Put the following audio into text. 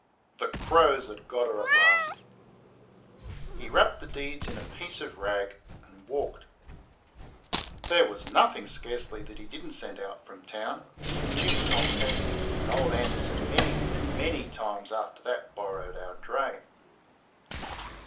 The crows had got her at last. He wrapped the deeds in a piece of rag and walked. There was nothing, scarcely, that he did n't send out from town, and Jimmy Mulcahy and old Anderson many and many times after that borrowed our dray.